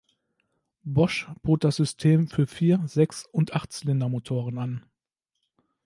Bosch bot das System für Vier-, Sechs- und Achtzylindermotoren an.